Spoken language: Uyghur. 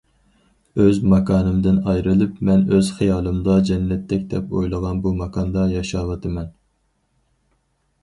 ئۆز ماكانىمدىن ئايرىلىپ، مەن ئۆز خىيالىمدا جەننەتتەك دەپ ئويلىغان بۇ ماكاندا ياشاۋاتىمەن.